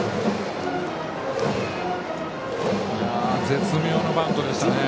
絶妙なバントでしたね。